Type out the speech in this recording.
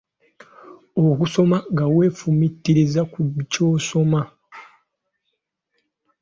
Okusoma nga weefumiitiriza ku ky'osoma.